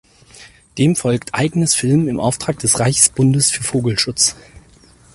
Dem folgt eigenes Filmen im Auftrag des Reichsbundes für Vogelschutz.